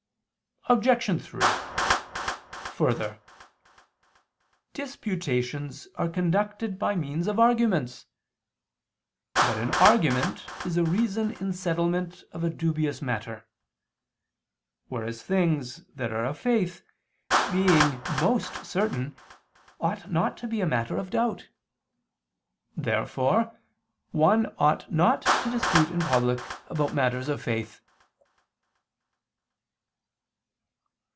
Obj. 3: Further, disputations are conducted by means of arguments. But an argument is a reason in settlement of a dubious matter: whereas things that are of faith, being most certain, ought not to be a matter of doubt. Therefore one ought not to dispute in public about matters of faith.